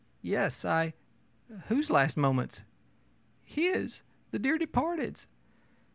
ō'Yes. I whose last moments?' ō'His. The dear departed's.'